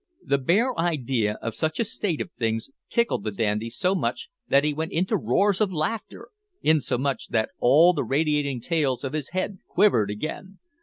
The bare idea of such a state of things tickled the dandy so much that he went into roars of laughter, insomuch that all the radiating tails of his head quivered again.